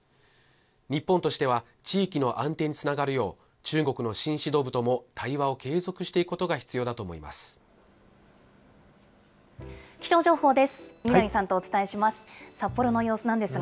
日本としては、地域の安定につながるよう、中国の新指導部とも対話を継続していくことが必要だと気象情報です。